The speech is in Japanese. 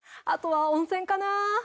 あとは温泉かな。